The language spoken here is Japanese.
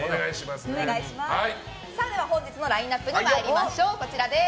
本日のラインアップに参りましょう。